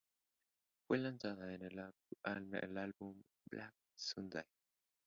Fue lanzada en el álbum "Black Sunday".